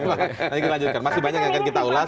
nanti kita lanjutkan masih banyak yang akan kita ulas